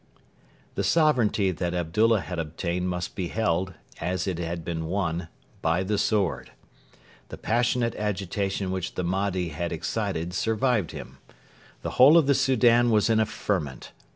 The sovereignty that Abdullah had obtained must be held, as it had been won, by the sword. The passionate agitation which the Mahdi had excited survived him. The whole of the Soudan was in a ferment.